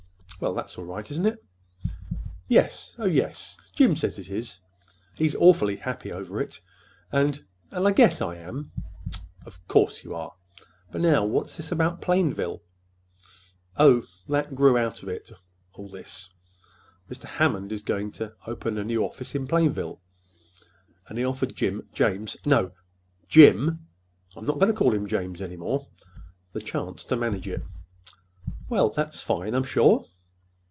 "Well, that's all right, isn't it?" "Y yes, oh, yes. Jim says it is. He's awfully happy over it, and—and I guess I am." "Of course you are! But now, what is this about Plainville?" "Oh, that grew out of it—all this. Mr. Hammond is going to open a new office in Plainville and he's offered Jim—James—no, Jim—I'm not going to call him 'James' any more!—the chance to manage it." "Well, that's fine, I'm sure."